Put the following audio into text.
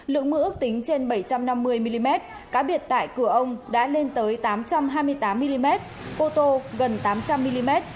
lượng mưa ước tính trên bảy trăm năm mươi mm cá biệt tại cửa ông đã lên tới tám trăm hai mươi tám mm ô tô gần tám trăm linh mm